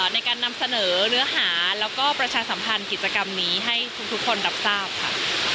ในการนำเสนอเนื้อหาแล้วก็ประชาสัมพันธ์กิจกรรมนี้ให้ทุกคนรับทราบค่ะ